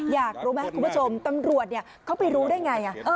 อยากรู้ไหมคุณผู้ชมตำรวจเขาไปรู้ได้ไง